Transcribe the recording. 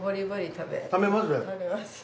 食べます。